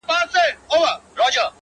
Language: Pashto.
که نڅا وي خو زه هم سم نڅېدلای!!